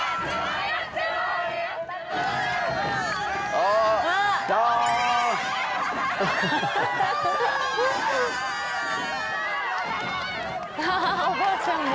おばあちゃんも。